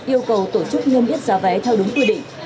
yêu cầu tổ chức nhâm ít giá vé theo đúng quy định